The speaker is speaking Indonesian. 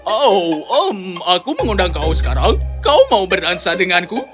oh aku mengundang kau sekarang kau mau berdansa denganku